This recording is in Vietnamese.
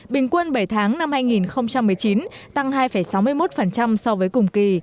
bình quân bảy tháng năm hai nghìn một mươi chín tăng hai sáu mươi một so với cùng kỳ